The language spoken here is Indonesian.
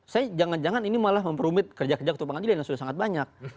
saya jangan jangan ini malah memperumit kerja kerja ketua pengadilan yang sudah sangat banyak